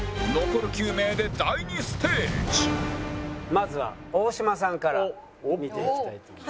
まずは大島さんから見ていきたいと思います。